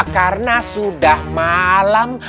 karena sudah malam